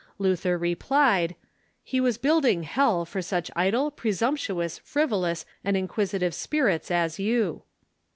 Luther replied, "He was building hell for such idle, presumptuous, frivolous, and inquisitive spirits as you